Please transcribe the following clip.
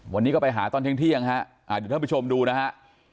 วันนี้ก็ไปหาตอนเที่ยงฮะเดี๋ยวท่านผู้ชมดูนะฮะ